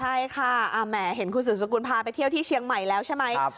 ใช่ค่ะแหมเห็นคุณสุดสกุลพาไปเที่ยวที่เชียงใหม่แล้วใช่ไหม